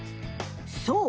そう。